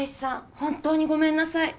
本当にごめんなさい。